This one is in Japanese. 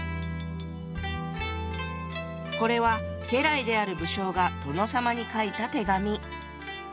これは家来である武将が殿様に書いた手紙。